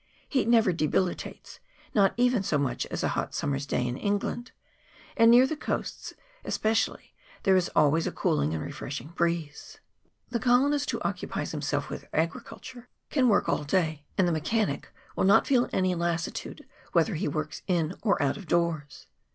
Heat never debilitates, not even so much as a hot summer's day in England ; and near the coasts especially there is always a cooling and re freshing breeze. The colonist who occupies him self with agriculture can work all day, and the mechanic will not feel any lassitude whether he works in or out of doors.